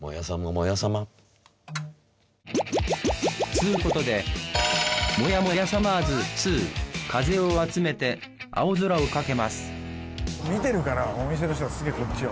つうことで「モヤモヤさまぁず２」風をあつめて蒼空を翔けます見てるからお店の人がすげえこっちを。